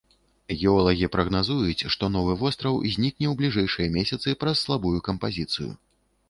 Геолагі прагназуюць, што новы востраў знікне ў бліжэйшыя месяцы праз слабую кампазіцыю.